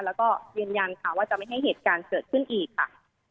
แล้วก็ยืนยันค่ะว่าจะไม่ให้เหตุการณ์เกิดขึ้นอีกค่ะ